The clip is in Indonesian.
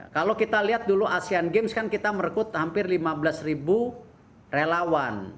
kalau kita lihat dulu asean games kan kita merekrut hampir lima belas ribu relawan